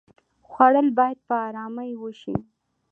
خوړل باید په آرامۍ وشي